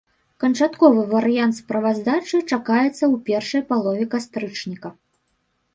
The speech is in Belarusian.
Канчатковы варыянт справаздачы чакаецца ў першай палове кастрычніка.